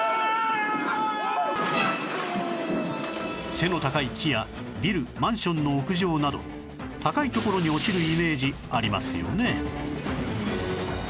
背の高い木やビルマンションの屋上など高い所に落ちるイメージありますよね？